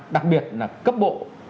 đặc biệt là cấp bộ